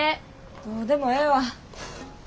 どうでもええわ。